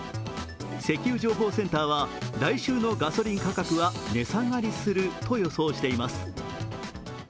石油情報センターは来週のガソリン価格は値下がりすると予想しています。